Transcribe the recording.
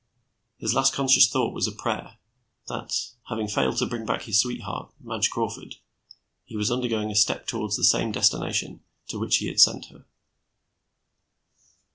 His last conscious thought was a prayer, that, having failed to bring back his sweetheart, Madge Crawford, he was undergoing a step toward the same destination to which he had sent her.